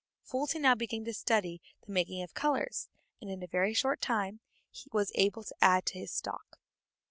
Fulton now began to study the making of colors, and in a very short time was able to add to his stock.